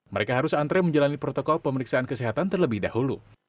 mereka harus antre menjalani protokol pemeriksaan kesehatan terlebih dahulu